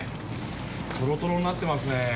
トロトロになってますね。